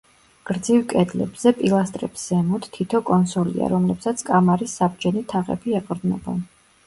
გრძივ კედლებზე, პილასტრების ზემოთ, თითო კონსოლია, რომლებსაც კამარის საბჯენი თაღები ეყრდნობა.